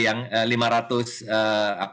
yang lima ratus orang tadi yang disebutkan